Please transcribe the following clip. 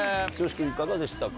君いかがでしたか？